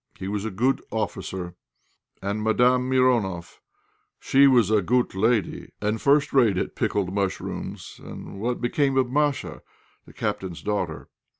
he was a goot officer! And Matame Mironoff, she was a goot lady and first rate at pickled mushrooms. And what became of Masha, the Captain's daughter?"